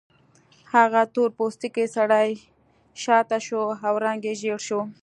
هغه تور پوستکی سړی شاته شو او رنګ یې ژیړ شو